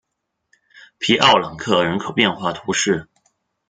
皮奥朗克人口变化图示